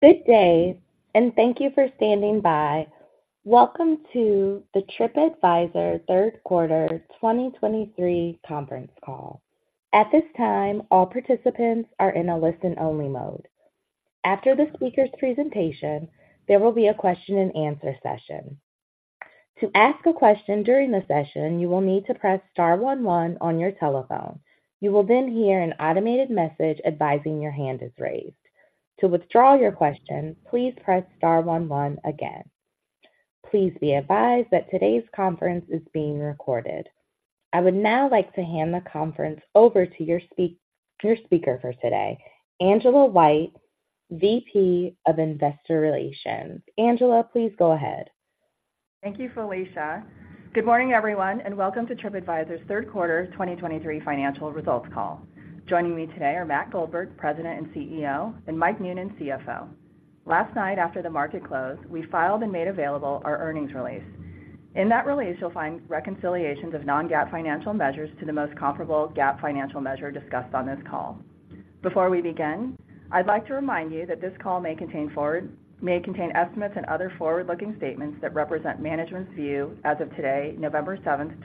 Good day, and thank you for standing by. Welcome to the Tripadvisor Third Quarter 2023 Conference Call. At this time, all participants are in a listen-only mode. After the speaker's presentation, there will be a question-and-answer session. To ask a question during the session, you will need to press star one one on your telephone. You will then hear an automated message advising your hand is raised. To withdraw your question, please press star one one again. Please be advised that today's conference is being recorded. I would now like to hand the conference over to your speaker for today, Angela White, VP of Investor Relations. Angela, please go ahead. Thank you, Felicia. Good morning, everyone, and welcome to Tripadvisor's Third Quarter 2023 Financial Results Call. Joining me today are Matt Goldberg, President and CEO, and Mike Noonan, CFO. Last night, after the market closed, we filed and made available our earnings release. In that release, you'll find reconciliations of non-GAAP financial measures to the most comparable GAAP financial measure discussed on this call. Before we begin, I'd like to remind you that this call may contain estimates and other forward-looking statements that represent management's view as of today, November 7,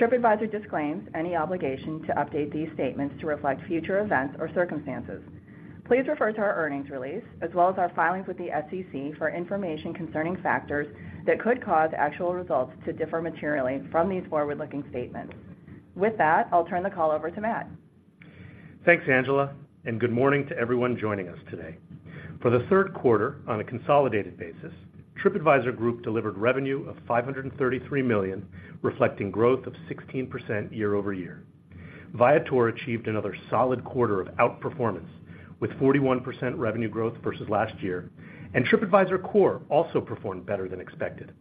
2023. Tripadvisor disclaims any obligation to update these statements to reflect future events or circumstances. Please refer to our earnings release, as well as our filings with the SEC for information concerning factors that could cause actual results to differ materially from these forward-looking statements. With that, I'll turn the call over to Matt. Thanks, Angela, and good morning to everyone joining us today. For the third quarter, on a consolidated basis, Tripadvisor Group delivered revenue of $533 million, reflecting growth of 16% year-over-year. Viator achieved another solid quarter of outperformance, with 41% revenue growth versus last year, and Tripadvisor Core also performed better than expected.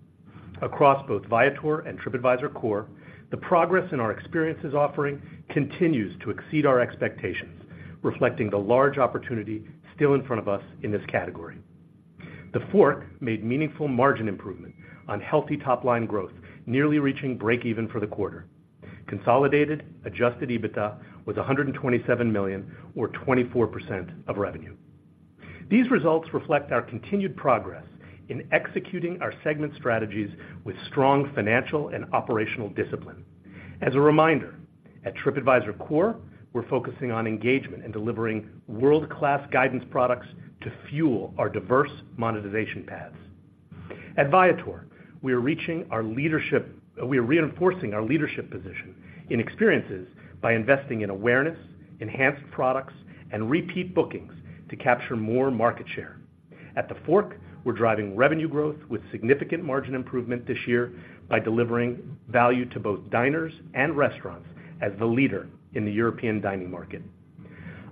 Across both Viator and Tripadvisor Core, the progress in our experiences offering continues to exceed our expectations, reflecting the large opportunity still in front of us in this category. TheFork made meaningful margin improvement on healthy top-line growth, nearly reaching break even for the quarter. Consolidated Adjusted EBITDA was $127 million, or 24% of revenue. These results reflect our continued progress in executing our segment strategies with strong financial and operational discipline. As a reminder, at Tripadvisor Core, we're focusing on engagement and delivering world-class guidance products to fuel our diverse monetization paths. At Viator, we are reinforcing our leadership position in experiences by investing in awareness, enhanced products, and repeat bookings to capture more market share. At TheFork, we're driving revenue growth with significant margin improvement this year by delivering value to both diners and restaurants as the leader in the European dining market.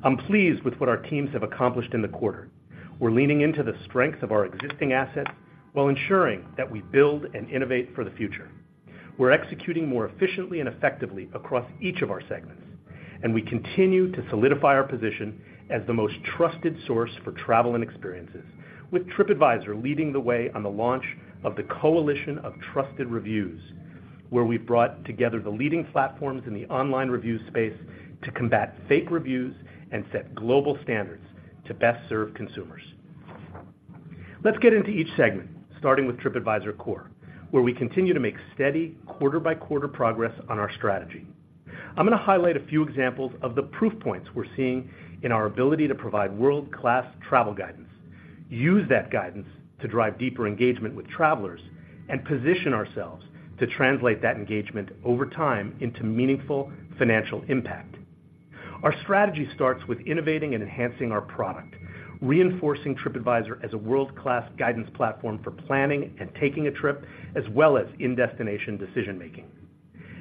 I'm pleased with what our teams have accomplished in the quarter. We're leaning into the strength of our existing assets while ensuring that we build and innovate for the future. We're executing more efficiently and effectively across each of our segments, and we continue to solidify our position as the most trusted source for travel and experiences, with Tripadvisor leading the way on the launch of the Coalition of Trusted Reviews, where we've brought together the leading platforms in the online review space to combat fake reviews and set global standards to best serve consumers. Let's get into each segment, starting with Tripadvisor Core, where we continue to make steady quarter-by-quarter progress on our strategy. I'm going to highlight a few examples of the proof points we're seeing in our ability to provide world-class travel guidance, use that guidance to drive deeper engagement with travellers, and position ourselves to translate that engagement over time into meaningful financial impact. Our strategy starts with innovating and enhancing our product, reinforcing Tripadvisor as a world-class guidance platform for planning and taking a trip, as well as in-destination decision-making.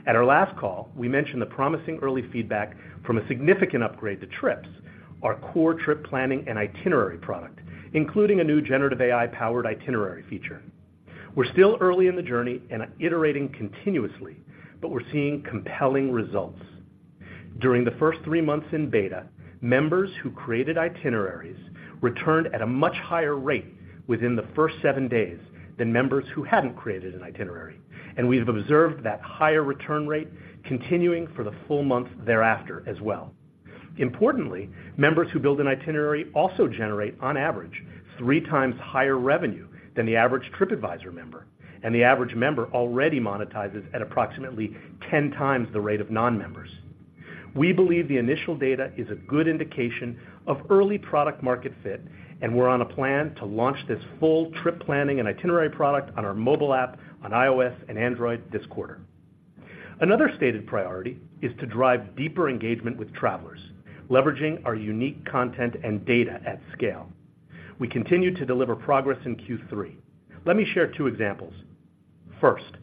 At our last call, we mentioned the promising early feedback from a significant upgrade to Trips, our core trip planning and itinerary product, including a new generative AI-powered itinerary feature. We're still early in the journey and iterating continuously, but we're seeing compelling results. During the first three months in beta, members who created itineraries returned at a much higher rate within the first seven days than members who hadn't created an itinerary, and we've observed that higher return rate continuing for the full month thereafter as well. Importantly, members who build an itinerary also generate, on average, three times higher revenue than the average Tripadvisor member, and the average member already monetizes at approximately 10 times the rate of non-members. We believe the initial data is a good indication of early product market fit, and we're on a plan to launch this full trip planning and itinerary product on our mobile app on iOS and Android this quarter. Another stated priority is to drive deeper engagement with travelers, leveraging our unique content and data at scale. We continue to deliver progress in Q3. Let me share two examples. First,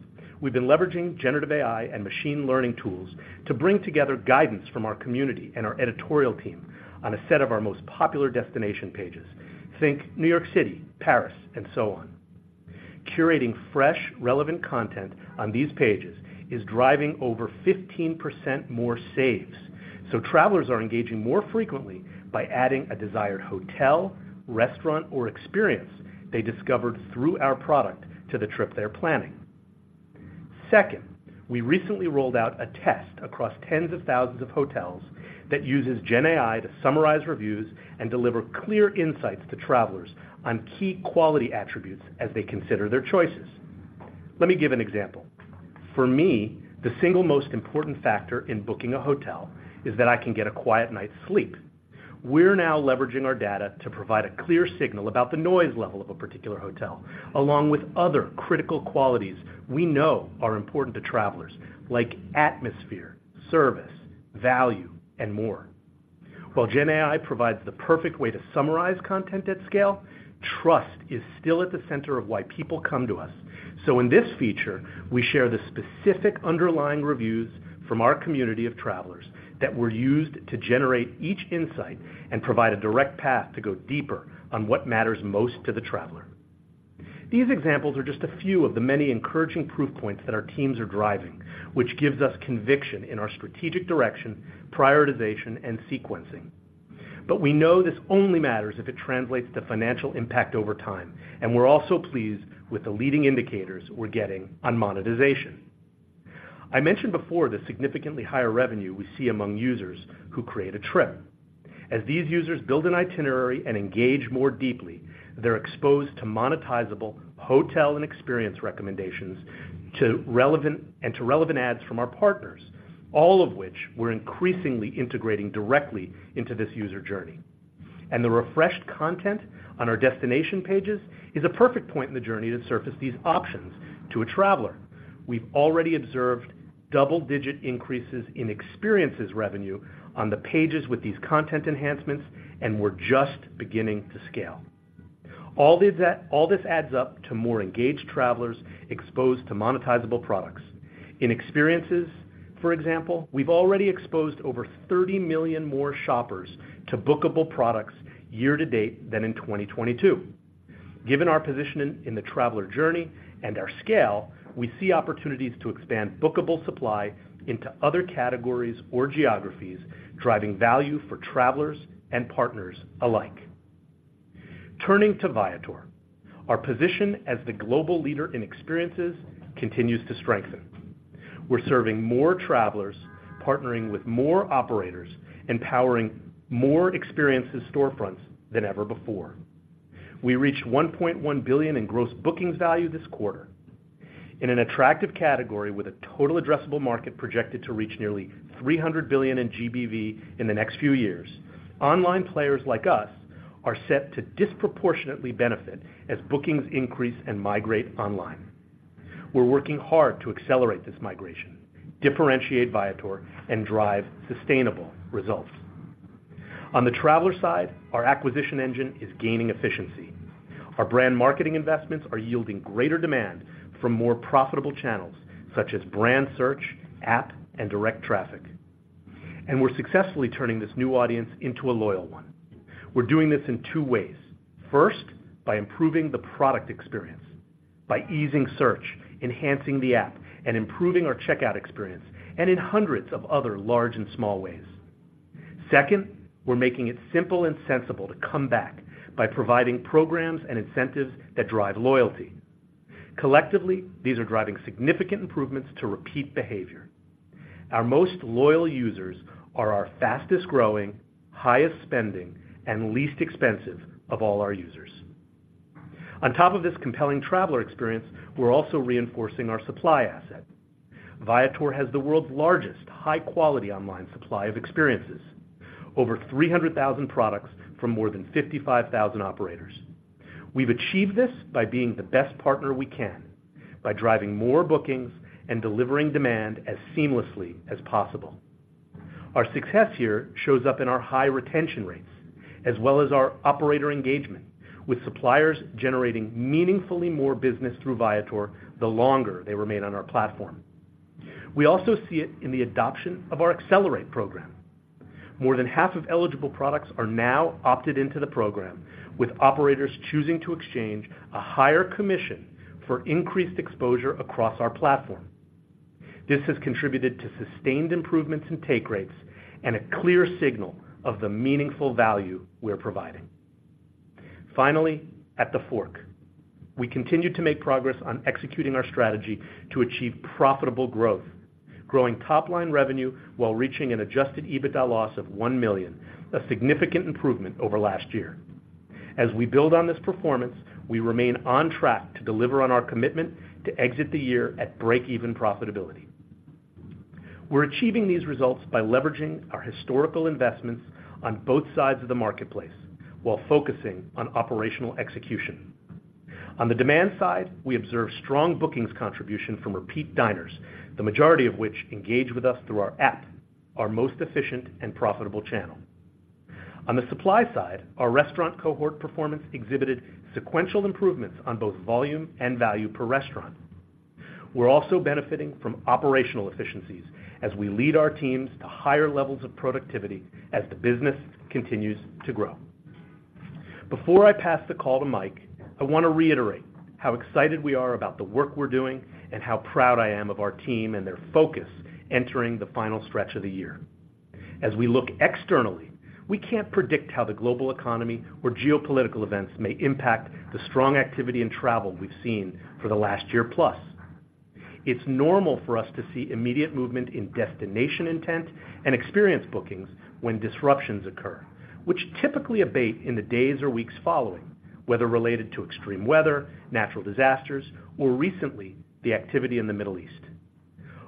we've been leveraging generative AI and machine learning tools to bring together guidance from our community and our editorial team on a set of our most popular destination pages. Think New York City, Paris, and so on. Curating fresh, relevant content on these pages is driving over 15% more saves. So travelers are engaging more frequently by adding a desired hotel, restaurant, or experience they discovered through our product to the trip they're planning... Second, we recently rolled out a test across tens of thousands of hotels that uses Gen AI to summarize reviews and deliver clear insights to travelers on key quality attributes as they consider their choices. Let me give an example: For me, the single most important factor in booking a hotel is that I can get a quiet night's sleep. We're now leveraging our data to provide a clear signal about the noise level of a particular hotel, along with other critical qualities we know are important to travelers, like atmosphere, service, value, and more. While Gen AI provides the perfect way to summarize content at scale, trust is still at the center of why people come to us. So in this feature, we share the specific underlying reviews from our community of travelers that were used to generate each insight and provide a direct path to go deeper on what matters most to the traveler. These examples are just a few of the many encouraging proof points that our teams are driving, which gives us conviction in our strategic direction, prioritization, and sequencing. But we know this only matters if it translates to financial impact over time, and we're also pleased with the leading indicators we're getting on monetization. I mentioned before the significantly higher revenue we see among users who create a trip. As these users build an itinerary and engage more deeply, they're exposed to monetizable hotel and experience recommendations, to relevant ads from our partners, all of which we're increasingly integrating directly into this user journey. The refreshed content on our destination pages is a perfect point in the journey to surface these options to a traveler. We've already observed double-digit increases in experiences revenue on the pages with these content enhancements, and we're just beginning to scale. All this, all this adds up to more engaged travelers exposed to monetizable products. In experiences, for example, we've already exposed over 30 million more shoppers to bookable products year to date than in 2022. Given our position in the traveler journey and our scale, we see opportunities to expand bookable supply into other categories or geographies, driving value for travelers and partners alike. Turning to Viator, our position as the global leader in experiences continues to strengthen. We're serving more travelers, partnering with more operators, and powering more experiences storefronts than ever before. We reached $1.1 billion in gross bookings value this quarter. In an attractive category, with a total addressable market projected to reach nearly $300 billion in GBV in the next few years, online players like us are set to disproportionately benefit as bookings increase and migrate online. We're working hard to accelerate this migration, differentiate Viator, and drive sustainable results. On the traveler side, our acquisition engine is gaining efficiency. Our brand marketing investments are yielding greater demand from more profitable channels, such as brand search, app, and direct traffic. And we're successfully turning this new audience into a loyal one. We're doing this in two ways. First, by improving the product experience, by easing search, enhancing the app, and improving our checkout experience, and in hundreds of other large and small ways. Second, we're making it simple and sensible to come back by providing programs and incentives that drive loyalty. Collectively, these are driving significant improvements to repeat behavior. Our most loyal users are our fastest-growing, highest-spending, and least expensive of all our users. On top of this compelling traveler experience, we're also reinforcing our supply asset. Viator has the world's largest high-quality online supply of experiences, over 300,000 products from more than 55,000 operators. We've achieved this by being the best partner we can, by driving more bookings and delivering demand as seamlessly as possible. Our success here shows up in our high retention rates, as well as our operator engagement, with suppliers generating meaningfully more business through Viator the longer they remain on our platform. We also see it in the adoption of our Accelerate program. More than half of eligible products are now opted into the program, with operators choosing to exchange a higher commission for increased exposure across our platform. This has contributed to sustained improvements in take rates and a clear signal of the meaningful value we are providing. Finally, at TheFork, we continue to make progress on executing our strategy to achieve profitable growth, growing top-line revenue while reaching an adjusted EBITDA loss of $1 million, a significant improvement over last year. As we build on this performance, we remain on track to deliver on our commitment to exit the year at break-even profitability. We're achieving these results by leveraging our historical investments on both sides of the marketplace while focusing on operational execution. On the demand side, we observe strong bookings contribution from repeat diners, the majority of which engage with us through our app, our most efficient and profitable channel. On the supply side, our restaurant cohort performance exhibited sequential improvements on both volume and value per restaurant. We're also benefiting from operational efficiencies as we lead our teams to higher levels of productivity as the business continues to grow. Before I pass the call to Mike, I want to reiterate how excited we are about the work we're doing and how proud I am of our team and their focus entering the final stretch of the year.... As we look externally, we can't predict how the global economy or geopolitical events may impact the strong activity in travel we've seen for the last year plus. It's normal for us to see immediate movement in destination intent and experience bookings when disruptions occur, which typically abate in the days or weeks following, whether related to extreme weather, natural disasters, or recently, the activity in the Middle East.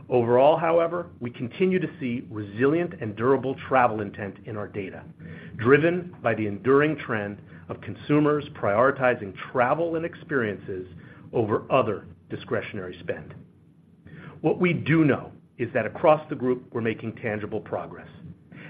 Overall, however, we continue to see resilient and durable travel intent in our data, driven by the enduring trend of consumers prioritizing travel and experiences over other discretionary spend. What we do know is that across the group, we're making tangible progress.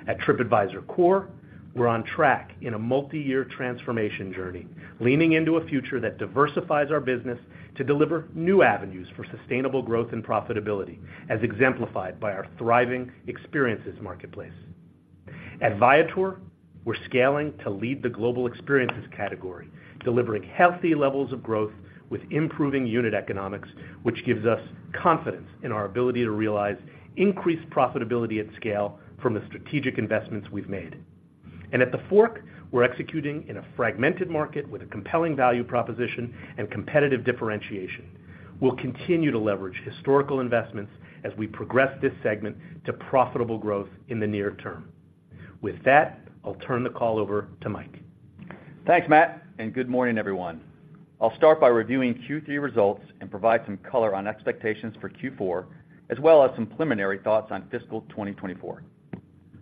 At Tripadvisor Core, we're on track in a multi-year transformation journey, leaning into a future that diversifies our business to deliver new avenues for sustainable growth and profitability, as exemplified by our thriving experiences marketplace. At Viator, we're scaling to lead the global experiences category, delivering healthy levels of growth with improving unit economics, which gives us confidence in our ability to realize increased profitability at scale from the strategic investments we've made. At TheFork, we're executing in a fragmented market with a compelling value proposition and competitive differentiation. We'll continue to leverage historical investments as we progress this segment to profitable growth in the near term. With that, I'll turn the call over to Mike. Thanks, Matt, and good morning, everyone. I'll start by reviewing Q3 results and provide some color on expectations for Q4, as well as some preliminary thoughts on fiscal 2024.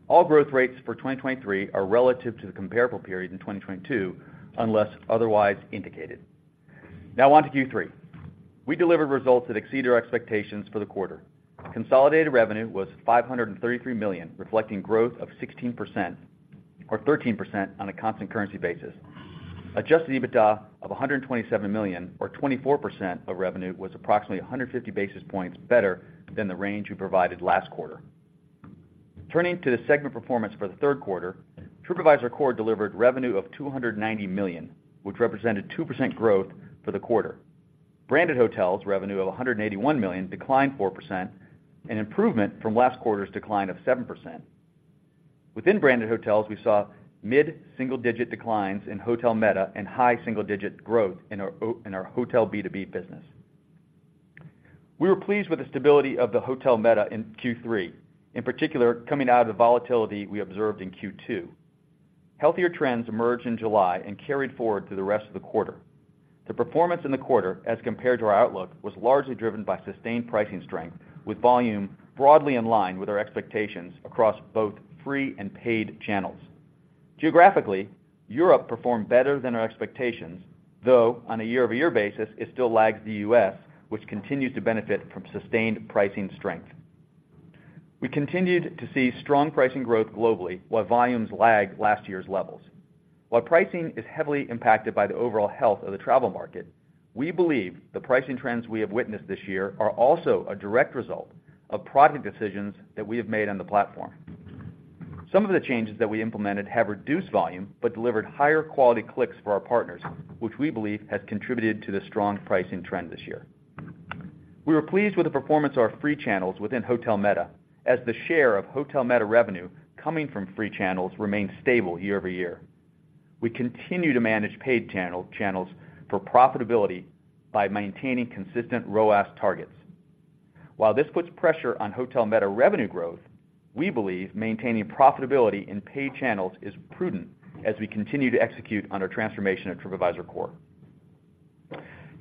All growth rates for 2023 are relative to the comparable period in 2022, unless otherwise indicated. Now on to Q3. We delivered results that exceeded our expectations for the quarter. Consolidated revenue was $533 million, reflecting growth of 16%, or 13% on a constant currency basis. Adjusted EBITDA of $127 million, or 24% of revenue, was approximately 150 basis points better than the range we provided last quarter. Turning to the segment performance for the third quarter, Tripadvisor Core delivered revenue of $290 million, which represented 2% growth for the quarter. Branded Hotels revenue of $181 million, declined 4%, an improvement from last quarter's decline of 7%. Within Branded Hotels, we saw mid-single-digit declines in hotel meta and high single-digit growth in our Hotel B2B business. We were pleased with the stability of the hotel meta in Q3, in particular, coming out of the volatility we observed in Q2. Healthier trends emerged in July and carried forward through the rest of the quarter. The performance in the quarter, as compared to our outlook, was largely driven by sustained pricing strength, with volume broadly in line with our expectations across both free and paid channels. Geographically, Europe performed better than our expectations, though, on a year-over-year basis, it still lags the U.S., which continues to benefit from sustained pricing strength. We continued to see strong pricing growth globally, while volumes lagged last year's levels. While pricing is heavily impacted by the overall health of the travel market, we believe the pricing trends we have witnessed this year are also a direct result of product decisions that we have made on the platform. Some of the changes that we implemented have reduced volume, but delivered higher quality clicks for our partners, which we believe has contributed to the strong pricing trend this year. We were pleased with the performance of our free channels within hotel meta, as the share of hotel meta revenue coming from free channels remained stable year-over-year. We continue to manage paid channels for profitability by maintaining consistent ROAS targets. While this puts pressure on hotel meta revenue growth, we believe maintaining profitability in paid channels is prudent as we continue to execute on our transformation at Tripadvisor Core.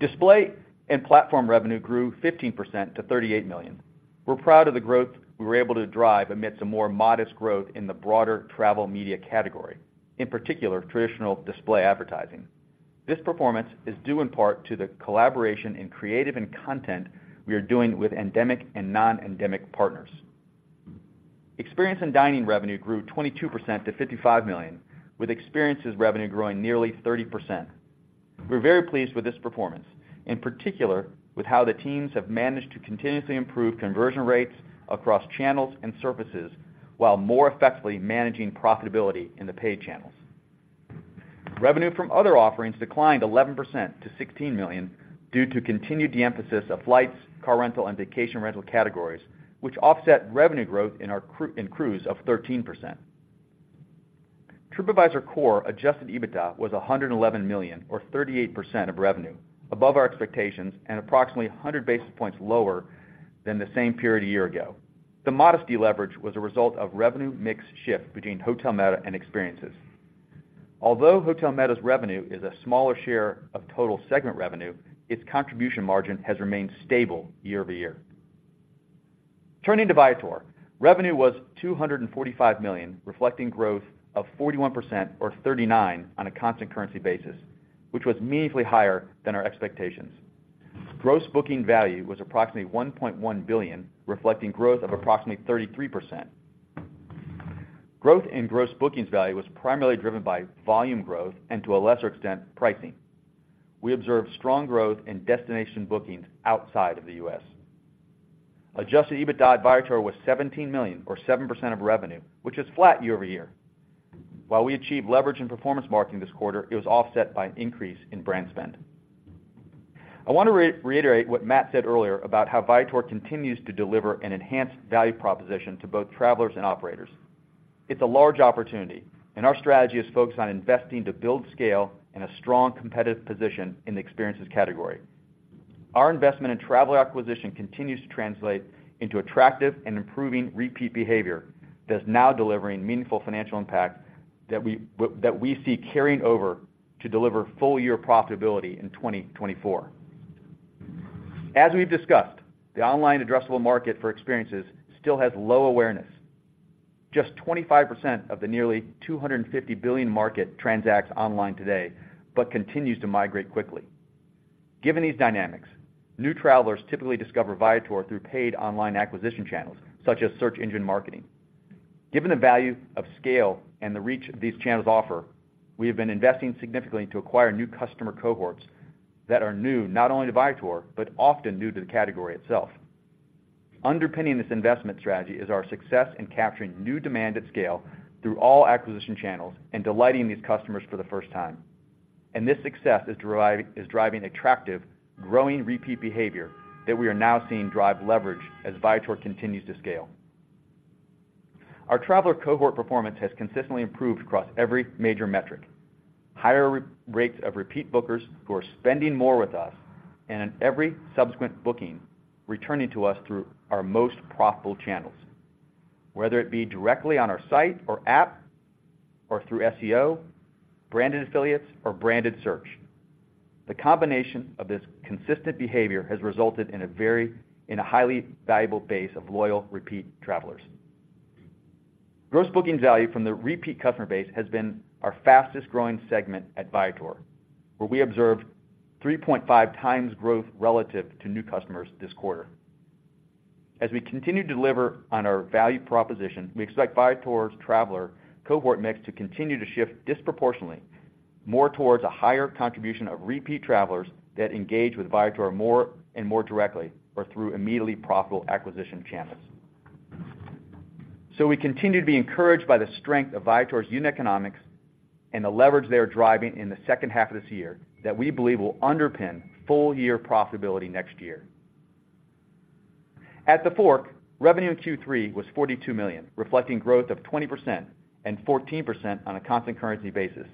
Display and platform revenue grew 15% to $38 million. We're proud of the growth we were able to drive amidst a more modest growth in the broader travel media category, in particular, traditional display advertising. This performance is due in part to the collaboration in creative and content we are doing with endemic and non-endemic partners. Experience and dining revenue grew 22% to $55 million, with experiences revenue growing nearly 30%. We're very pleased with this performance, in particular, with how the teams have managed to continuously improve conversion rates across channels and surfaces, while more effectively managing profitability in the paid channels. Revenue from other offerings declined 11% to $16 million due to continued de-emphasis of flights, car rental, and vacation rental categories, which offset revenue growth in our cruise of 13%. Tripadvisor Core adjusted EBITDA was $111 million, or 38% of revenue, above our expectations and approximately 100 basis points lower than the same period a year ago. The modest deleverage was a result of revenue mix shift between hotel meta and experiences. Although hotel meta's revenue is a smaller share of total segment revenue, its contribution margin has remained stable year-over-year. Turning to Viator. Revenue was $245 million, reflecting growth of 41% or 39% on a constant currency basis, which was meaningfully higher than our expectations. Gross booking value was approximately $1.1 billion, reflecting growth of approximately 33%. Growth in gross bookings value was primarily driven by volume growth, and to a lesser extent, pricing. We observed strong growth in destination bookings outside of the US. Adjusted EBITDA at Viator was $17 million, or 7% of revenue, which is flat year-over-year. While we achieved leverage in performance marketing this quarter, it was offset by an increase in brand spend. I want to reiterate what Matt said earlier about how Viator continues to deliver an enhanced value proposition to both travelers and operators. It's a large opportunity, and our strategy is focused on investing to build scale and a strong competitive position in the experiences category. Our investment in travel acquisition continues to translate into attractive and improving repeat behavior that's now delivering meaningful financial impact that we see carrying over to deliver full year profitability in 2024. As we've discussed, the online addressable market for experiences still has low awareness. Just 25% of the nearly $250 billion market transacts online today, but continues to migrate quickly. Given these dynamics, new travelers typically discover Viator through paid online acquisition channels, such as search engine marketing. Given the value of scale and the reach these channels offer, we have been investing significantly to acquire new customer cohorts that are new, not only to Viator, but often new to the category itself. Underpinning this investment strategy is our success in capturing new demand at scale through all acquisition channels and delighting these customers for the first time. And this success is driving attractive, growing repeat behavior that we are now seeing drive leverage as Viator continues to scale. Our traveler cohort performance has consistently improved across every major metric. Higher rates of repeat bookers who are spending more with us and in every subsequent booking, returning to us through our most profitable channels, whether it be directly on our site or app, or through SEO, branded affiliates, or branded search. The combination of this consistent behavior has resulted in a highly valuable base of loyal, repeat travelers. Gross booking value from the repeat customer base has been our fastest growing segment at Viator, where we observed 3.5 times growth relative to new customers this quarter. As we continue to deliver on our value proposition, we expect Viator's traveler cohort mix to continue to shift disproportionately, more towards a higher contribution of repeat travelers that engage with Viator more and more directly, or through immediately profitable acquisition channels. So we continue to be encouraged by the strength of Viator's unit economics and the leverage they are driving in the second half of this year, that we believe will underpin full year profitability next year. At TheFork, revenue in Q3 was $42 million, reflecting growth of 20% and 14% on a constant currency basis.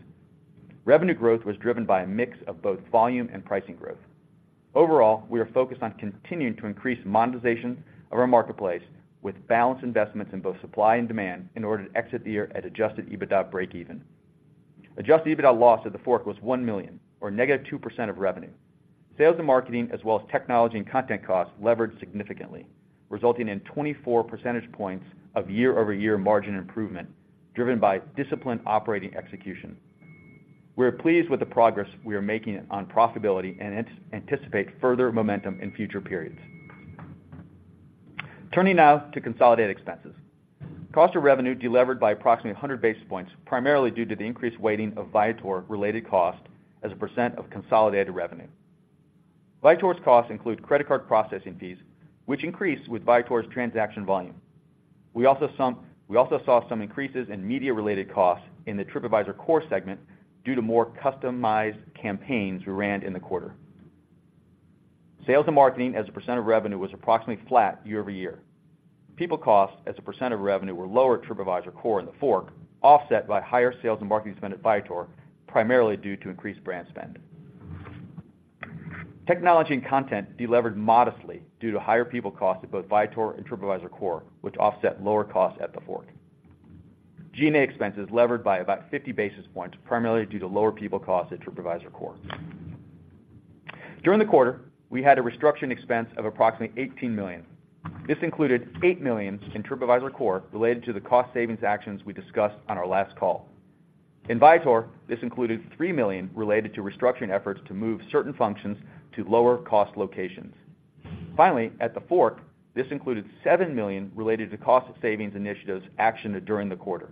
Revenue growth was driven by a mix of both volume and pricing growth. Overall, we are focused on continuing to increase monetization of our marketplace with balanced investments in both supply and demand in order to exit the year at Adjusted EBITDA breakeven. Adjusted EBITDA loss at TheFork was $1 million, or -2% of revenue. Sales and marketing, as well as technology and content costs, leveraged significantly, resulting in 24 percentage points of year-over-year margin improvement, driven by disciplined operating execution. We are pleased with the progress we are making on profitability and anticipate further momentum in future periods. Turning now to consolidated expenses. Cost of revenue delevered by approximately 100 basis points, primarily due to the increased weighting of Viator-related costs as a percent of consolidated revenue. Viator's costs include credit card processing fees, which increased with Viator's transaction volume. We also saw some increases in media-related costs in the Tripadvisor Core segment due to more customized campaigns we ran in the quarter. Sales and marketing as a percent of revenue was approximately flat year-over-year. People costs as a percent of revenue were lower at Tripadvisor Core in TheFork, offset by higher sales and marketing spend at Viator, primarily due to increased brand spend. Technology and content delevered modestly due to higher people costs at both Viator and TripAdvisor Core, which offset lower costs at TheFork. G&A expenses levered by about 50 basis points, primarily due to lower people costs at TripAdvisor Core. During the quarter, we had a restructuring expense of approximately $18 million. This included $8 million in TripAdvisor Core related to the cost savings actions we discussed on our last call. In Viator, this included $3 million related to restructuring efforts to move certain functions to lower cost locations. Finally, at TheFork, this included $7 million related to cost savings initiatives actioned during the quarter.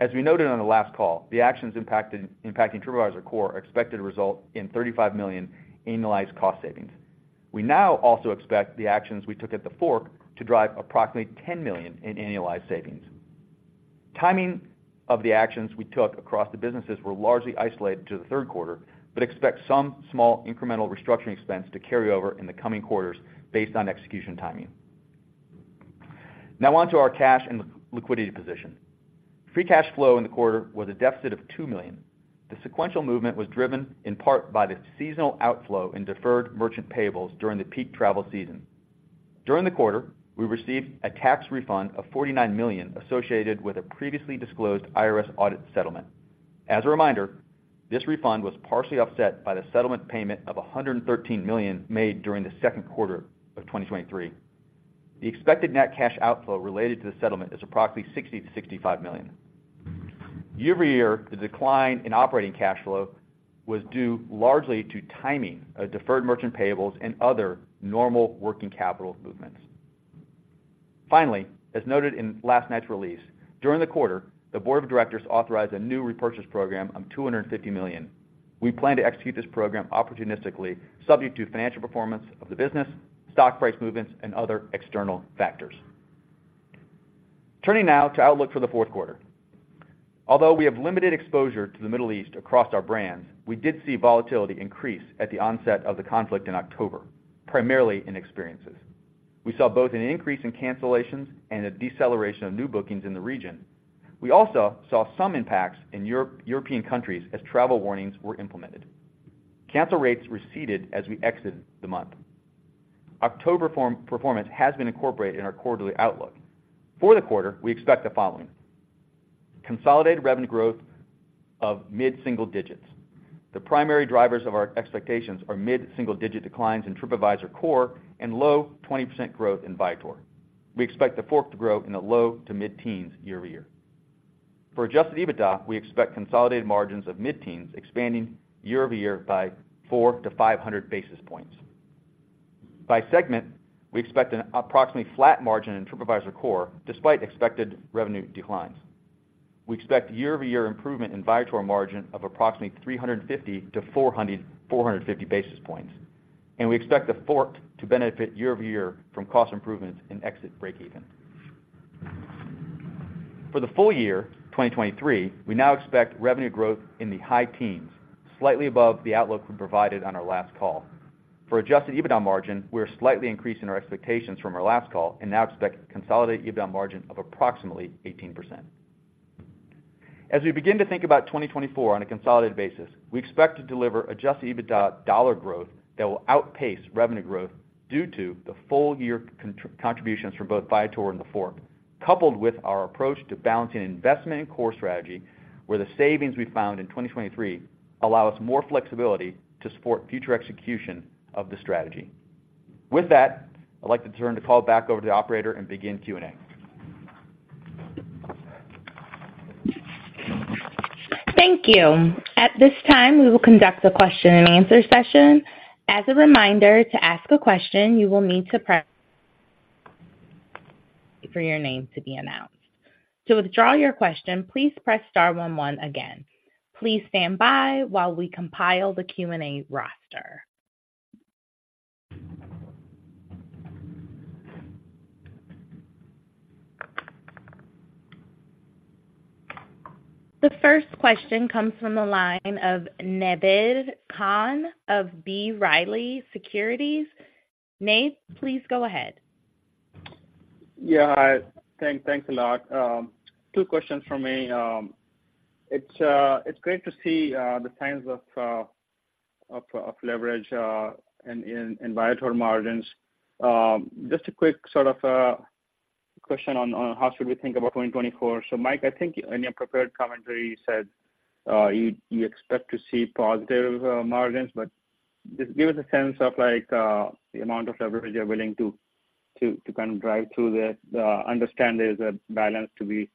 As we noted on the last call, the actions impacting TripAdvisor Core are expected to result in $35 million annualized cost savings. We now also expect the actions we took at TheFork to drive approximately $10 million in annualized savings. Timing of the actions we took across the businesses were largely isolated to the third quarter, but expect some small incremental restructuring expense to carry over in the coming quarters based on execution timing. Now on to our cash and liquidity position. Free cash flow in the quarter was a deficit of $2 million. The sequential movement was driven in part by the seasonal outflow in deferred merchant payables during the peak travel season. During the quarter, we received a tax refund of $49 million associated with a previously disclosed IRS audit settlement. As a reminder, this refund was partially offset by the settlement payment of $113 million made during the second quarter of 2023. The expected net cash outflow related to the settlement is approximately $60 million-$65 million. Year-over-year, the decline in operating cash flow was due largely to timing of deferred merchant payables and other normal working capital movements. Finally, as noted in last night's release, during the quarter, the board of directors authorized a new repurchase program of $250 million. We plan to execute this program opportunistically, subject to financial performance of the business, stock price movements, and other external factors. Turning now to outlook for the fourth quarter. Although we have limited exposure to the Middle East across our brands, we did see volatility increase at the onset of the conflict in October, primarily in experiences. We saw both an increase in cancellations and a deceleration of new bookings in the region. We also saw some impacts in European countries as travel warnings were implemented. Cancel rates receded as we exited the month. October performance has been incorporated in our quarterly outlook. For the quarter, we expect the following: consolidated revenue growth of mid-single digits. The primary drivers of our expectations are mid-single digit declines in Tripadvisor Core and low 20% growth in Viator. We expect TheFork to grow in the low to mid-teens year-over-year. For Adjusted EBITDA, we expect consolidated margins of mid-teens, expanding year-over-year by 400-500 basis points. By segment, we expect an approximately flat margin in Tripadvisor Core, despite expected revenue declines. We expect year-over-year improvement in Viator margin of approximately 350-450 basis points, and we expect TheFork to benefit year-over-year from cost improvements and exit breakeven. For the full year 2023, we now expect revenue growth in the high teens, slightly above the outlook we provided on our last call. For adjusted EBITDA margin, we're slightly increasing our expectations from our last call and now expect consolidated EBITDA margin of approximately 18%. As we begin to think about 2024 on a consolidated basis, we expect to deliver adjusted EBITDA dollar growth that will outpace revenue growth due to the full year contributions from both Viator and TheFork, coupled with our approach to balancing investment and core strategy, where the savings we found in 2023 allow us more flexibility to support future execution of the strategy. With that, I'd like to turn the call back over to the operator and begin Q&A. Thank you. At this time, we will conduct a question-and-answer session. As a reminder, to ask a question, you will need to press for your name to be announced. To withdraw your question, please press star one one again. Please stand by while we compile the Q&A roster. The first question comes from the line of Naved Khan of B. Riley Securities. Nev, please go ahead. Yeah, thanks, thanks a lot. Two questions from me. It's great to see the signs of leverage in Viator margins. Just a quick sort of question on how should we think about 2024? So Mike, I think in your prepared commentary, you said you expect to see positive margins, but just give us a sense of like the amount of leverage you're willing to kind of drive through the... Understand there's a balance to be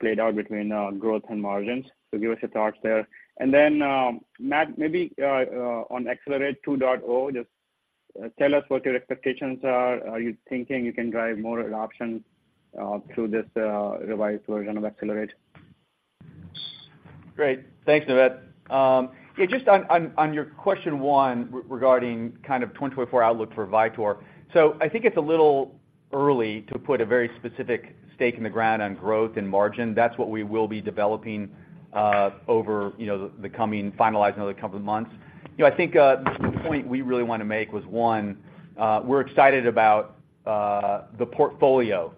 played out between growth and margins. So give us your thoughts there. And then, Matt, maybe on Accelerate 2.0, just tell us what your expectations are. Are you thinking you can drive more adoption through this revised version of Accelerate? Great. Thanks, Naved. Yeah, just on your question one, regarding kind of 2024 outlook for Viator. So I think it's a little early to put a very specific stake in the ground on growth and margin. That's what we will be developing over, you know, the coming, finalizing over the coming months. You know, I think the point we really want to make was, one, we're excited about the portfolio.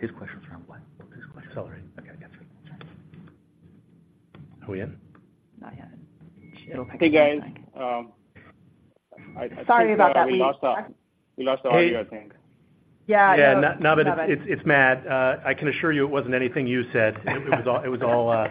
The- Sorry about that, we lost, we lost the audio, I think. Yeah, yeah. Naved, it's Matt, I can assure you it wasn't anything you said. It was all,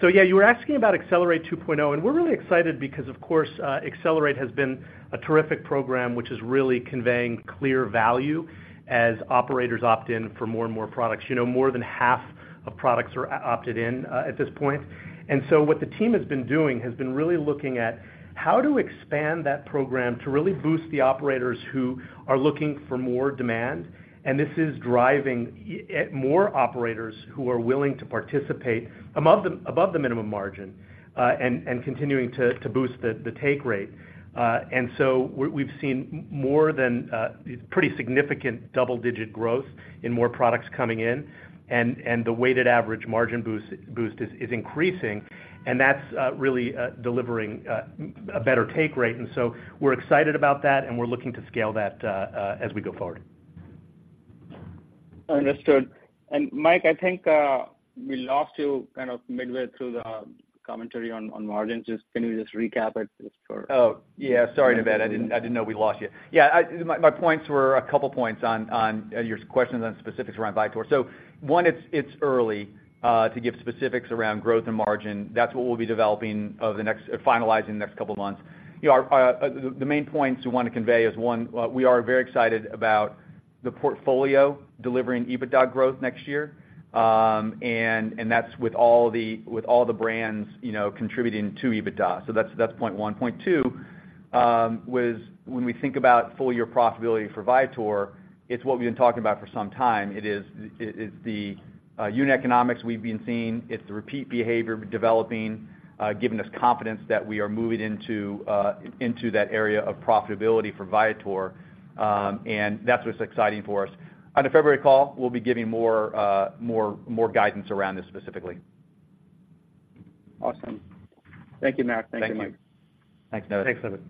so yeah, you were asking about Accelerate 2.0, and we're really excited because, of course, Accelerate has been a terrific program, which is really conveying clear value as operators opt in for more and more products. You know, more than half of products are opted in at this point. And so what the team has been doing has been really looking at how to expand that program to really boost the operators who are looking for more demand, and this is driving more operators who are willing to participate above the minimum margin, and continuing to boost the take rate. And so we've seen more than pretty significant double-digit growth in more products coming in, and the weighted average margin boost is increasing, and that's really delivering a better take rate. And so we're excited about that, and we're looking to scale that as we go forward. Understood. And Mike, I think we lost you kind of midway through the commentary on margins. Just can you just recap it just for- Oh, yeah, sorry, Naved. I didn't know we lost you. Yeah, my points were a couple points on your questions on specifics around Viator. So one, it's early to give specifics around growth and margin. That's what we'll be finalizing over the next couple of months. You know, the main points we want to convey is, one, we are very excited about the portfolio delivering EBITDA growth next year. And that's with all the brands, you know, contributing to EBITDA. So that's point one. Point two was when we think about full year profitability for Viator, it's what we've been talking about for some time. It's the unit economics we've been seeing, it's the repeat behavior developing, giving us confidence that we are moving into that area of profitability for Viator. And that's what's exciting for us. On the February call, we'll be giving more guidance around this specifically. Awesome. Thank you, Matt. Thank you. Thank you, Mike. Thanks, Naved. Thanks, Naved.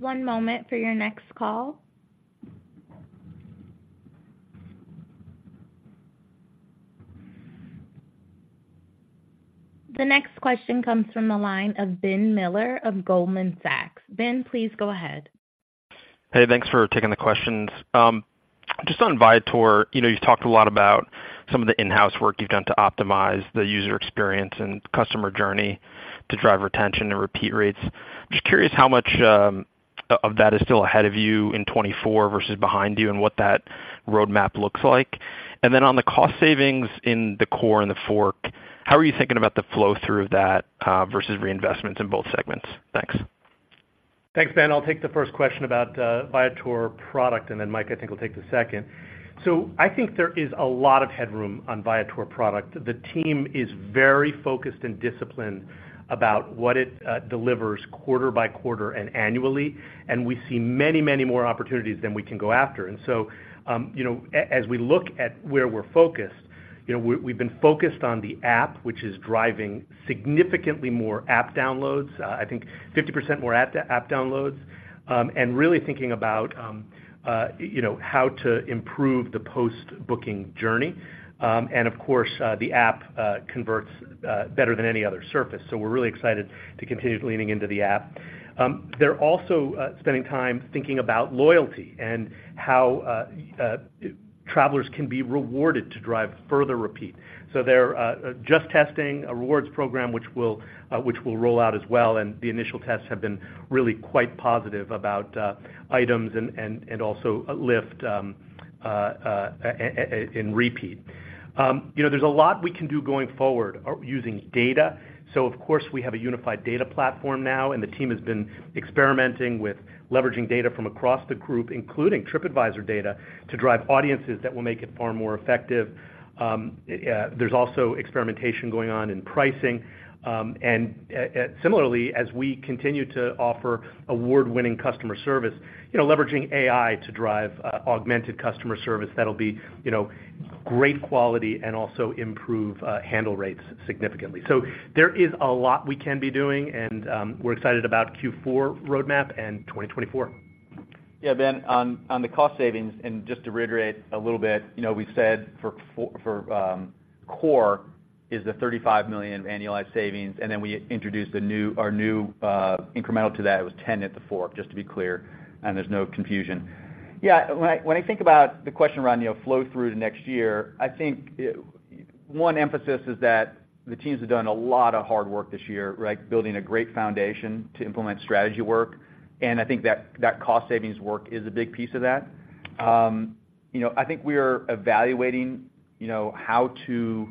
One moment for your next call. The next question comes from the line of Ben Miller of Goldman Sachs. Ben, please go ahead. Hey, thanks for taking the questions. Just on Viator, you know, you've talked a lot about some of the in-house work you've done to optimize the user experience and customer journey to drive retention and repeat rates. Just curious how much of that is still ahead of you in 2024 versus behind you, and what that roadmap looks like? And then on the cost savings in the core and TheFork, how are you thinking about the flow through of that versus reinvestments in both segments? Thanks. Thanks, Ben. I'll take the first question about Viator product, and then Mike, I think, will take the second. So I think there is a lot of headroom on Viator product. The team is very focused and disciplined about what it delivers quarter by quarter and annually, and we see many, many more opportunities than we can go after. And so, you know, as we look at where we're focused, you know, we've been focused on the app, which is driving significantly more app downloads, I think 50% more app downloads, and really thinking about you know, how to improve the post-booking journey. And of course, the app converts better than any other surface, so we're really excited to continue leaning into the app. They're also spending time thinking about loyalty and how travelers can be rewarded to drive further repeat. So they're just testing a rewards program which will roll out as well, and the initial tests have been really quite positive about items and also lift in repeat. You know, there's a lot we can do going forward using data. So of course, we have a unified data platform now, and the team has been experimenting with leveraging data from across the group, including Tripadvisor data, to drive audiences that will make it far more effective. There's also experimentation going on in pricing. Similarly, as we continue to offer award-winning customer service, you know, leveraging AI to drive augmented customer service, that'll be, you know, great quality and also improve handle rates significantly. So there is a lot we can be doing, and we're excited about Q4 roadmap and 2024. Yeah, Ben, on the cost savings, and just to reiterate a little bit, you know, we said for core is the $35 million annualized savings, and then we introduced the new, our new incremental to that, it was $10 million at TheFork, just to be clear, and there's no confusion. Yeah, when I think about the question around flow through to next year, I think one emphasis is that the teams have done a lot of hard work this year, right? Building a great foundation to implement strategy work, and I think that cost savings work is a big piece of that. You know, I think we are evaluating you know, how to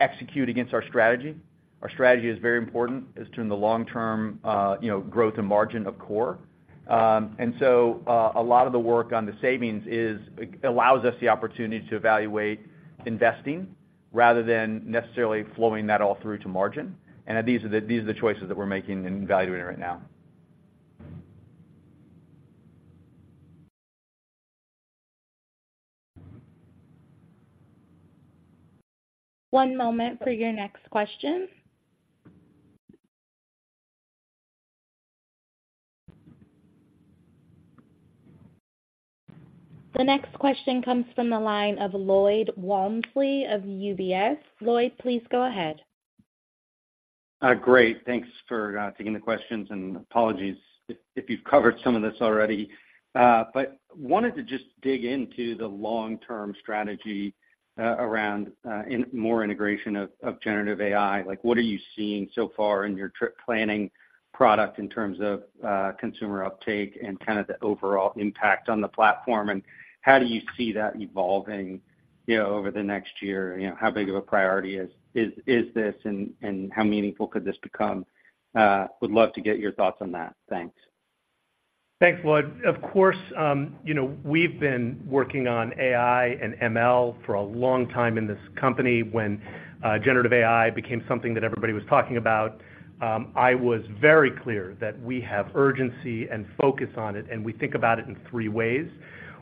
execute against our strategy. Our strategy is very important, is to turn the long-term, you know, growth and margin of core. And so, a lot of the work on the savings is allows us the opportunity to evaluate investing, rather than necessarily flowing that all through to margin. And these are the choices that we're making and evaluating right now. One moment for your next question. The next question comes from the line of Lloyd Walmsley of UBS. Lloyd, please go ahead. Great. Thanks for taking the questions, and apologies if you've covered some of this already. But wanted to just dig into the long-term strategy around in more integration of generative AI. Like, what are you seeing so far in your trip planning product in terms of consumer uptake and kind of the overall impact on the platform? And how do you see that evolving, you know, over the next year? You know, how big of a priority is this, and how meaningful could this become? Would love to get your thoughts on that. Thanks. Thanks, Lloyd. Of course, you know, we've been working on AI and ML for a long time in this company. When generative AI became something that everybody was talking about, I was very clear that we have urgency and focus on it, and we think about it in three ways.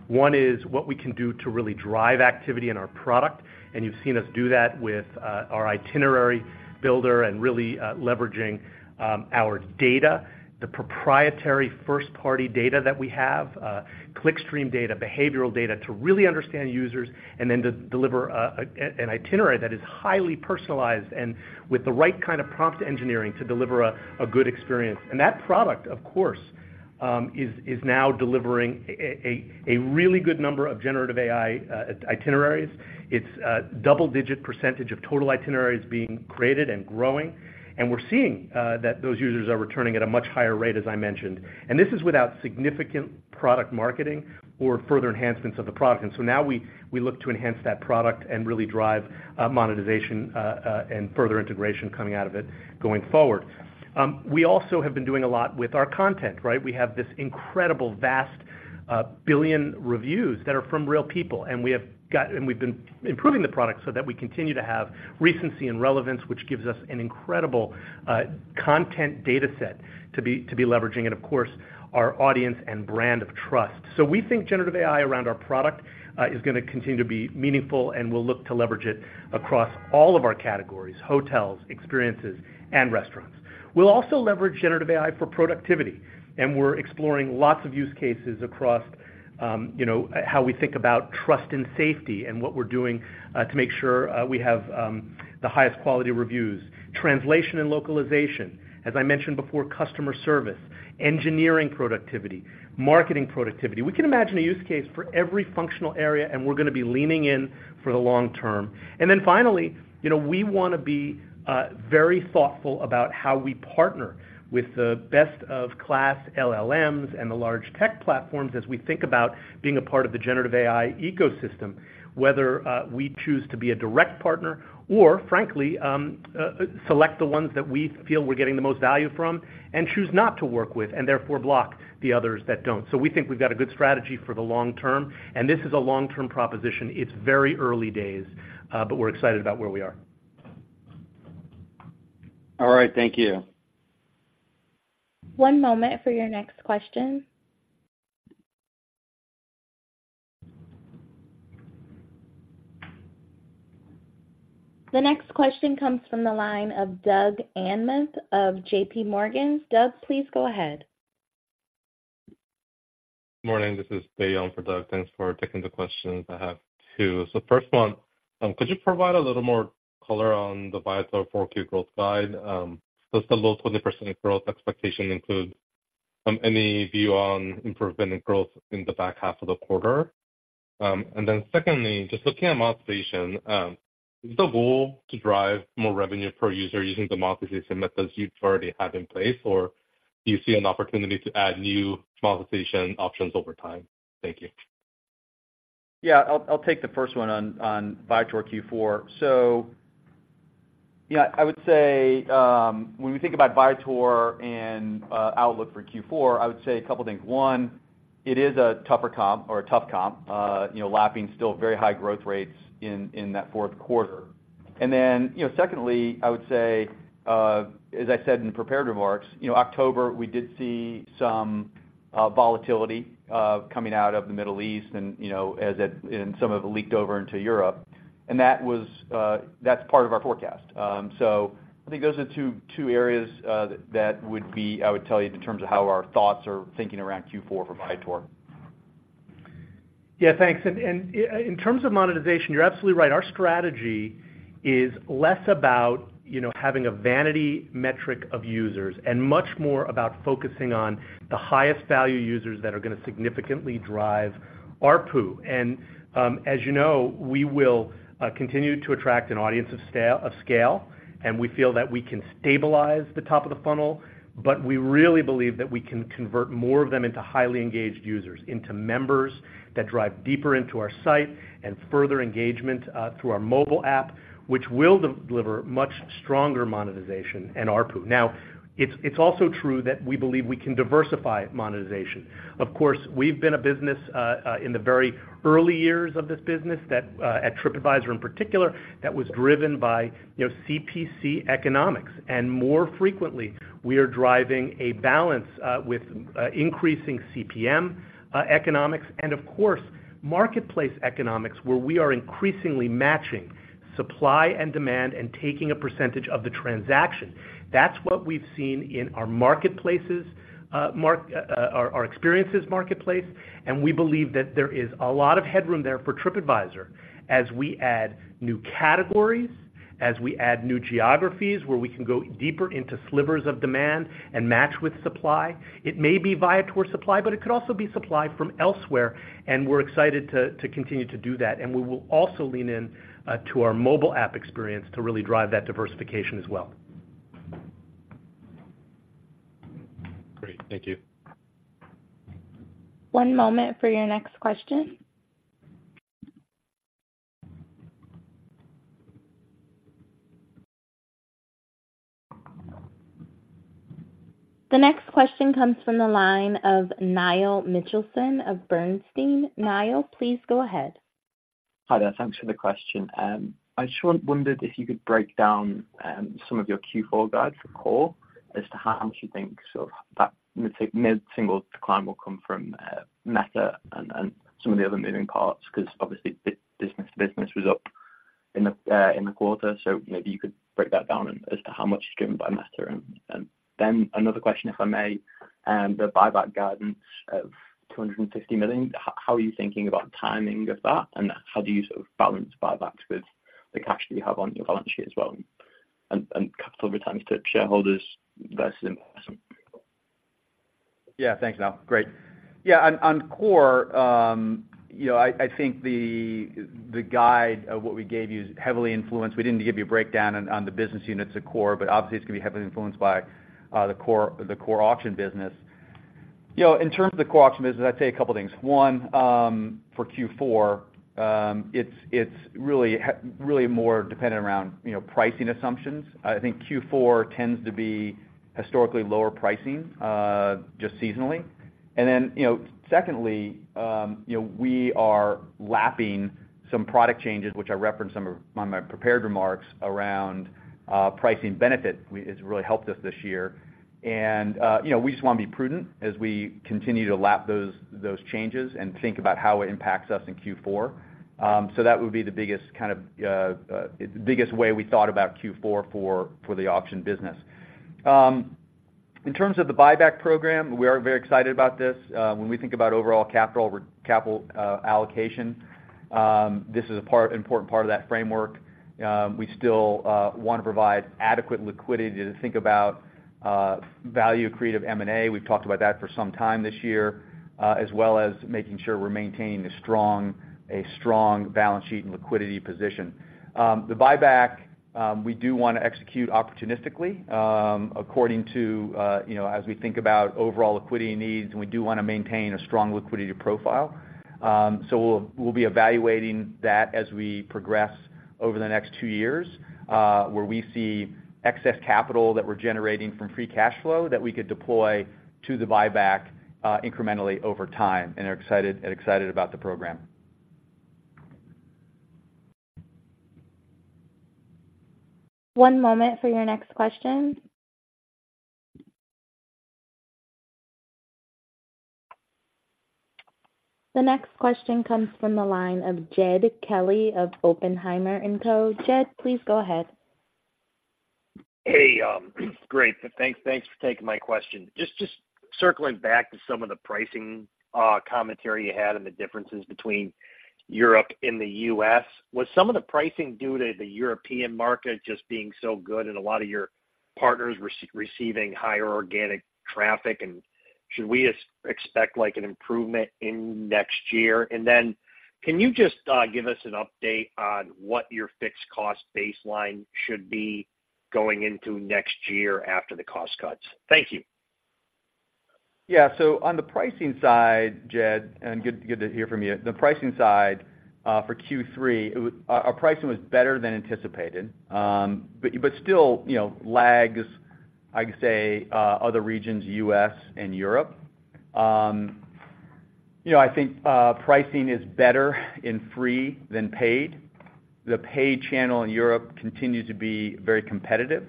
One is what we can do to really drive activity in our product, and you've seen us do that with our itinerary builder and really leveraging our data, the proprietary first-party data that we have, clickstream data, behavioral data, to really understand users and then to deliver an itinerary that is highly personalized and with the right kind of prompt engineering to deliver a good experience. And that product, of course, is now delivering a really good number of generative AI itineraries. It's a double-digit percentage of total itineraries being created and growing, and we're seeing that those users are returning at a much higher rate, as I mentioned. This is without significant product marketing or further enhancements of the product. So now we look to enhance that product and really drive monetization and further integration coming out of it going forward. We also have been doing a lot with our content, right? We have this incredible, vast billion reviews that are from real people, and we've been improving the product so that we continue to have recency and relevance, which gives us an incredible content data set to be leveraging, and of course, our audience and brand of trust. So we think generative AI around our product is gonna continue to be meaningful, and we'll look to leverage it across all of our categories, hotels, experiences, and restaurants. We'll also leverage generative AI for productivity, and we're exploring lots of use cases across, you know, how we think about trust and safety and what we're doing to make sure we have the highest quality reviews. Translation and localization, as I mentioned before, customer service, engineering productivity, marketing productivity. We can imagine a use case for every functional area, and we're gonna be leaning in for the long term. And then finally, you know, we wanna be very thoughtful about how we partner with the best-of-class LLMs and the large tech platforms as we think about being a part of the generative AI ecosystem, whether we choose to be a direct partner or frankly select the ones that we feel we're getting the most value from and choose not to work with, and therefore block the others that don't. So we think we've got a good strategy for the long term, and this is a long-term proposition. It's very early days, but we're excited about where we are. All right, thank you. One moment for your next question. The next question comes from the line of Doug Anmuth of J.P. Morgan. Doug, please go ahead. Morning, this is Tae Young for Doug. Thanks for taking the questions. I have two. So the first one, could you provide a little more color on the Viator 4Q growth guide? Does the low 20% growth expectation include any view on improving growth in the back half of the quarter? And then secondly, just looking at monetization, is the goal to drive more revenue per user using the monetization methods you already have in place, or do you see an opportunity to add new monetization options over time? Thank you. Yeah, I'll take the first one on Viator Q4. So yeah, I would say, when we think about Viator and outlook for Q4, I would say a couple of things. One, it is a tougher comp or a tough comp, you know, lapping still very high growth rates in that fourth quarter. And then, you know, secondly, I would say, as I said in the prepared remarks, you know, October, we did see some volatility coming out of the Middle East and some of it leaked over into Europe, and that's part of our forecast. So I think those are the two areas that would be... I would tell you in terms of how our thoughts are thinking around Q4 for Viator. Yeah, thanks. And in terms of monetization, you're absolutely right. Our strategy is less about, you know, having a vanity metric of users, and much more about focusing on the highest value users that are gonna significantly drive ARPU. And, as you know, we will continue to attract an audience of scale, and we feel that we can stabilize the top of the funnel, but we really believe that we can convert more of them into highly engaged users, into members that drive deeper into our site and further engagement through our mobile app, which will deliver much stronger monetization and ARPU. Now, it's also true that we believe we can diversify monetization. Of course, we've been a business in the very early years of this business that at Tripadvisor in particular, that was driven by, you know, CPC economics. And more frequently, we are driving a balance with increasing CPM economics and, of course, marketplace economics, where we are increasingly matching supply and demand and taking a percentage of the transaction. That's what we've seen in our marketplaces.... mark our experiences marketplace, and we believe that there is a lot of headroom there for Tripadvisor as we add new categories, as we add new geographies, where we can go deeper into slivers of demand and match with supply. It may be Viator supply, but it could also be supply from elsewhere, and we're excited to continue to do that. And we will also lean in to our mobile app experience to really drive that diversification as well. Great. Thank you. One moment for your next question. The next question comes from the line of Niall Mitchelson of Bernstein. Niall, please go ahead. Hi there. Thanks for the question. I just wondered if you could break down some of your Q4 guide for core as to how much you think sort of that mid-single decline will come from Meta and some of the other moving parts, because obviously, business to business was up in the quarter. So maybe you could break that down as to how much is driven by Meta. And then another question, if I may, the buyback guidance of $250 million, how are you thinking about timing of that? And how do you sort of balance buybacks with the cash that you have on your balance sheet as well, and capital returns to shareholders versus investment? Yeah, thanks, Niall. Great. Yeah, on core, you know, I think the guide of what we gave you is heavily influenced. We didn't give you a breakdown on the core, but obviously, it's going to be heavily influenced by the core auction business. You know, in terms of the core auction business, I'd say a couple of things. One, for Q4, it's really more dependent around, you know, pricing assumptions. I think Q4 tends to be historically lower pricing just seasonally. And then, you know, secondly, you know, we are lapping some product changes, which I referenced some of on my prepared remarks around pricing benefit. It's really helped us this year. You know, we just want to be prudent as we continue to lap those changes and think about how it impacts us in Q4. So that would be the biggest kind of the biggest way we thought about Q4 for the auction business. In terms of the buyback program, we are very excited about this. When we think about overall capital allocation, this is an important part of that framework. We still want to provide adequate liquidity to think about value creative M&A. We've talked about that for some time this year, as well as making sure we're maintaining a strong balance sheet and liquidity position. The buyback, we do want to execute opportunistically, according to, you know, as we think about overall liquidity needs, and we do want to maintain a strong liquidity profile. So we'll be evaluating that as we progress over the next two years, where we see excess capital that we're generating from free cash flow that we could deploy to the buyback, incrementally over time, and are excited about the program. One moment for your next question. The next question comes from the line of Jed Kelly of Oppenheimer and Co. Jed, please go ahead. Hey, great. So thanks, thanks for taking my question. Just, just circling back to some of the pricing, commentary you had and the differences between Europe and the U.S. Was some of the pricing due to the European market just being so good and a lot of your partners receiving higher organic traffic? And should we expect, like, an improvement in next year? And then can you just, give us an update on what your fixed cost baseline should be going into next year after the cost cuts? Thank you. Yeah. So on the pricing side, Jed, and good, good to hear from you. The pricing side, for Q3, our pricing was better than anticipated, but still, you know, lags, I'd say, other regions, US and Europe. You know, I think, pricing is better in free than paid. The paid channel in Europe continues to be very competitive,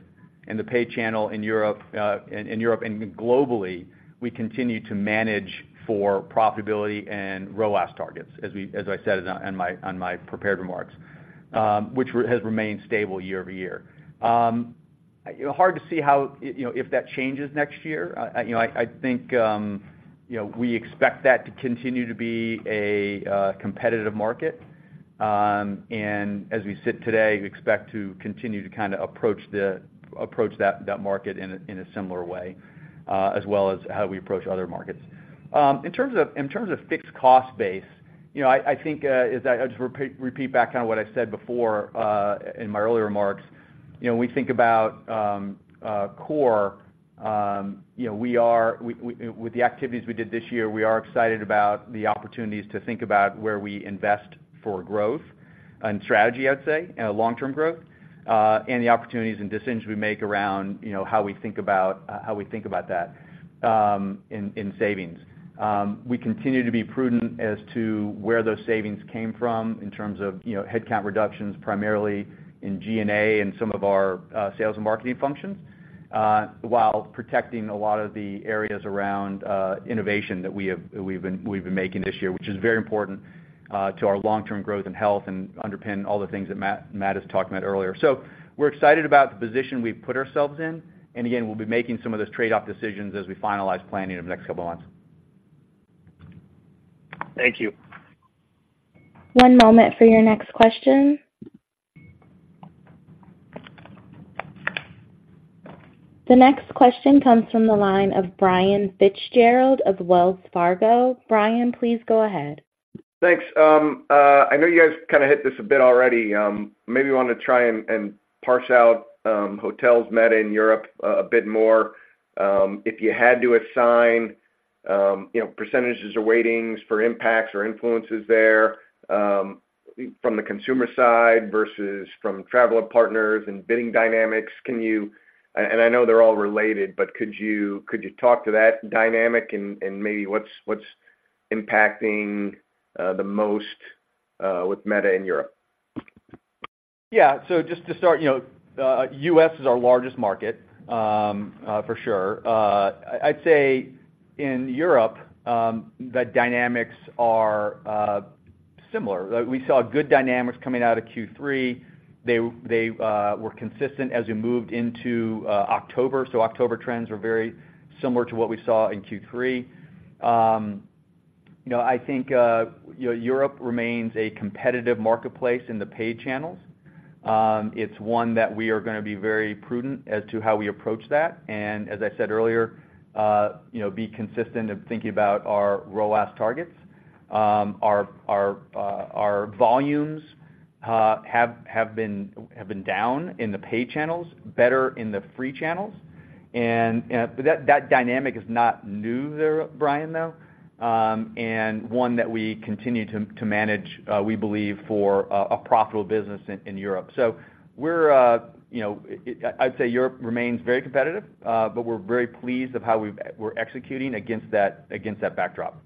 and the paid channel in Europe and globally, we continue to manage for profitability and ROAS targets, as I said on my prepared remarks, which has remained stable year-over-year. You know, hard to see how, you know, if that changes next year. You know, I think, you know, we expect that to continue to be a competitive market. As we sit today, we expect to continue to kind of approach that market in a similar way, as well as how we approach other markets. In terms of fixed cost base, you know, I think, as I just repeat back on what I said before, in my earlier remarks, you know, when we think about core, you know, we are, with the activities we did this year, we are excited about the opportunities to think about where we invest for growth and strategy, I'd say, long-term growth, and the opportunities and decisions we make around, you know, how we think about that, in savings. We continue to be prudent as to where those savings came from in terms of, you know, headcount reductions, primarily in G&A and some of our sales and marketing functions, while protecting a lot of the areas around innovation that we've been making this year, which is very important to our long-term growth and health and underpin all the things that Matt has talked about earlier. So we're excited about the position we've put ourselves in, and again, we'll be making some of those trade-off decisions as we finalize planning over the next couple of months.... Thank you. One moment for your next question. The next question comes from the line of Brian Fitzgerald of Wells Fargo. Brian, please go ahead. Thanks. I know you guys kind of hit this a bit already, maybe want to try and parse out hotel meta in Europe a bit more. If you had to assign, you know, percentages or weightings for impacts or influences there, from the consumer side versus from traveler partners and bidding dynamics, can you—and I know they're all related, but could you talk to that dynamic and maybe what's impacting the most with Meta in Europe? Yeah. So just to start, you know, U.S. is our largest market, for sure. I'd say in Europe, the dynamics are similar. We saw good dynamics coming out of Q3. They were consistent as we moved into October. So October trends were very similar to what we saw in Q3. You know, I think, you know, Europe remains a competitive marketplace in the paid channels. It's one that we are going to be very prudent as to how we approach that, and as I said earlier, you know, be consistent in thinking about our ROAS targets. Our volumes have been down in the paid channels, better in the free channels, and but that dynamic is not new there, Brian, though, and one that we continue to manage, we believe for a profitable business in Europe. So we're, you know... I'd say Europe remains very competitive, but we're very pleased of how we've- we're executing against that backdrop.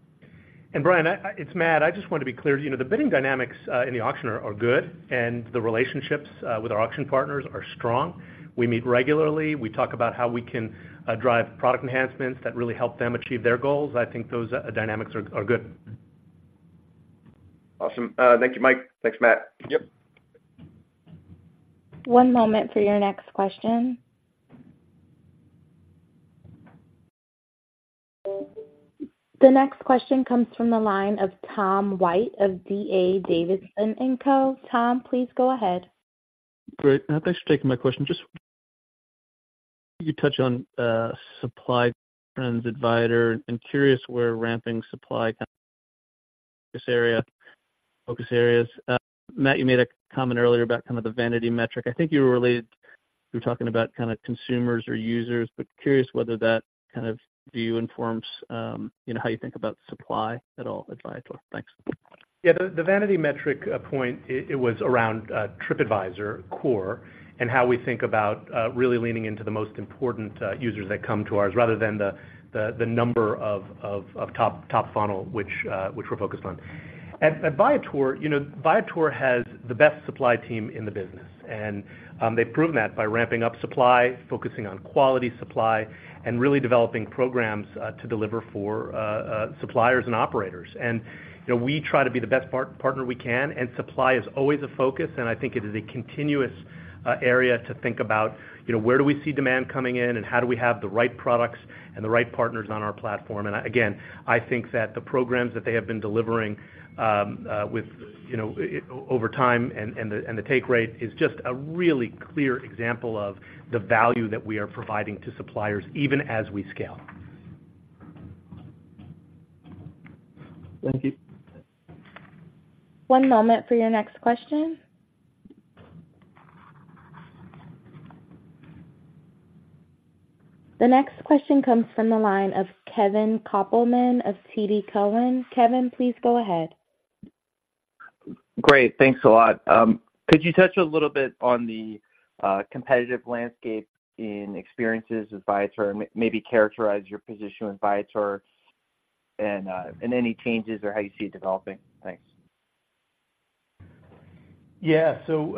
And Brian, it's Matt. I just want to be clear, you know, the bidding dynamics in the auction are good, and the relationships with our auction partners are strong. We meet regularly, we talk about how we can drive product enhancements that really help them achieve their goals. I think those dynamics are good. Awesome. Thank you, Mike. Thanks, Matt. Yep. One moment for your next question. The next question comes from the line of Tom White of D.A. Davidson & Co. Tom, please go ahead. Great. Thanks for taking my question. Just you touch on supply trends, Tripadvisor, I'm curious where ramping supply focus areas. Matt, you made a comment earlier about kind of the vanity metric. I think you were related, you were talking about kind of consumers or users, but curious whether that kind of view informs, you know, how you think about supply at all, at Viator. Thanks. Yeah, the vanity metric point, it was around Tripadvisor Core and how we think about really leaning into the most important users that come to ours, rather than the number of top funnel, which we're focused on. At Viator, you know, Viator has the best supply team in the business, and they've proven that by ramping up supply, focusing on quality supply, and really developing programs to deliver for suppliers and operators. And, you know, we try to be the best partner we can, and supply is always a focus, and I think it is a continuous area to think about, you know, where do we see demand coming in and how do we have the right products and the right partners on our platform? And again, I think that the programs that they have been delivering, with, you know, over time and the take rate is just a really clear example of the value that we are providing to suppliers, even as we scale. Thank you. One moment for your next question. The next question comes from the line of Kevin Kopelman of TD Cowen. Kevin, please go ahead. Great. Thanks a lot. Could you touch a little bit on the competitive landscape in experiences with Viator, and maybe characterize your position with Viator and any changes or how you see it developing? Thanks. Yeah. So,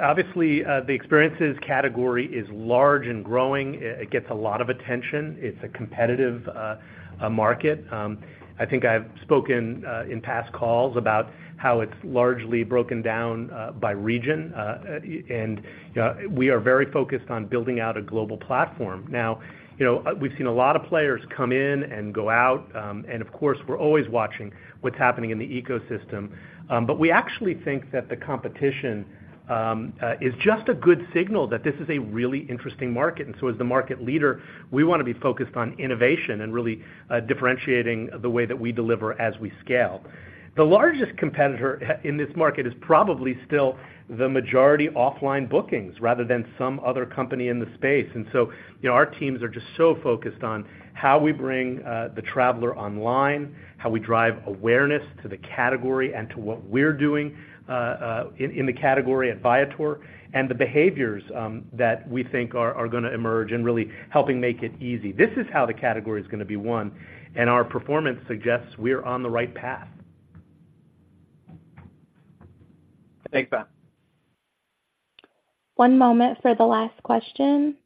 obviously, the experiences category is large and growing. It gets a lot of attention. It's a competitive market. I think I've spoken in past calls about how it's largely broken down by region, and, you know, we are very focused on building out a global platform. Now, you know, we've seen a lot of players come in and go out, and of course, we're always watching what's happening in the ecosystem. But we actually think that the competition is just a good signal that this is a really interesting market. And so as the market leader, we want to be focused on innovation and really differentiating the way that we deliver as we scale. The largest competitor in this market is probably still the majority offline bookings, rather than some other company in the space. And so, you know, our teams are just so focused on how we bring the traveler online, how we drive awareness to the category and to what we're doing in the category at Viator, and the behaviors that we think are going to emerge and really helping make it easy. This is how the category is going to be won, and our performance suggests we're on the right path. Thanks, Matt. One moment for the last question.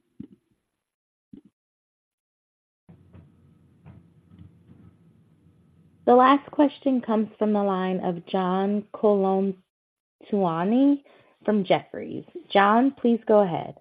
The last question comes from the line of John Colantuoni from Jefferies. John, please go ahead.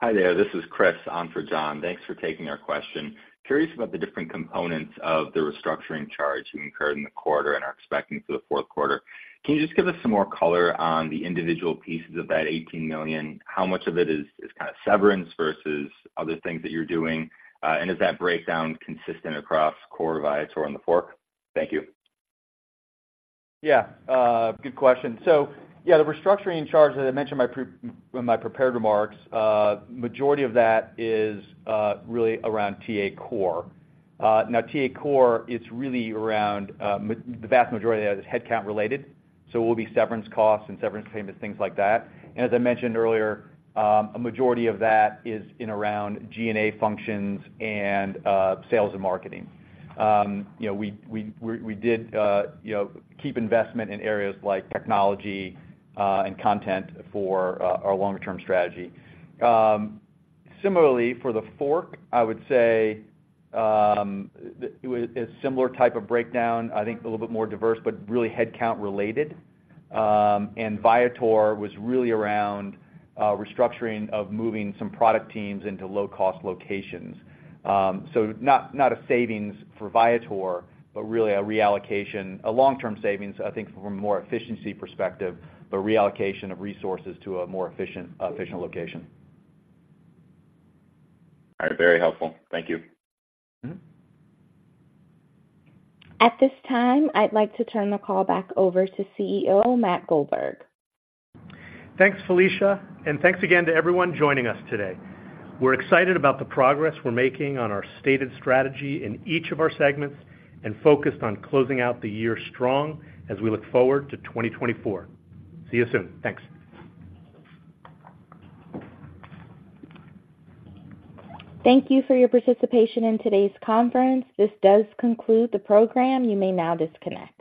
Hi there, this is Chris on for John. Thanks for taking our question. Curious about the different components of the restructuring charge you incurred in the quarter and are expecting for the fourth quarter. Can you just give us some more color on the individual pieces of that $18 million? How much of it is, is kind of severance versus other things that you're doing? And is that breakdown consistent across Core, Viator, and TheFork? Thank you. Yeah, good question. So yeah, the restructuring charge, as I mentioned in my pre- in my prepared remarks, majority of that is, really around TA Core. Now, TA Core, it's really around, the vast majority of that is headcount related, so it will be severance costs and severance payments, things like that. And as I mentioned earlier, a majority of that is in around GNA functions and, sales and marketing. You know, we did, you know, keep investment in areas like technology, and content for, our longer-term strategy. Similarly, for TheFork, I would say, a similar type of breakdown, I think a little bit more diverse, but really headcount related. And Viator was really around, restructuring of moving some product teams into low-cost locations. So not a savings for Viator, but really a reallocation—a long-term savings, I think, from a more efficiency perspective, but reallocation of resources to a more efficient location. All right. Very helpful. Thank you. Mm-hmm. At this time, I'd like to turn the call back over to CEO, Matt Goldberg. Thanks, Felicia, and thanks again to everyone joining us today. We're excited about the progress we're making on our stated strategy in each of our segments and focused on closing out the year strong as we look forward to 2024. See you soon. Thanks. Thank you for your participation in today's conference. This does conclude the program. You may now disconnect.